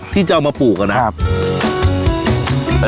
ที่จะเอามาปลูกนะครับ